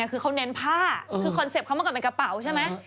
คือเขาเน้นผ้าคือคอนเซ็ปต์เขาเมื่อก่อนเป็นกระเป๋าใช่ไหม